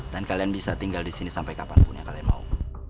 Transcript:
dan kalian bisa tinggal disini sampai kapanpun yang kalian mau